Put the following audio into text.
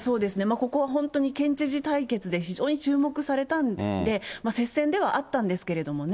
ここは本当に県知事対決で非常に注目されたんで、接戦ではあったんですけどもね。